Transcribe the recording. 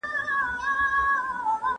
¬ چي تېر سوه، هغه هېر سوه.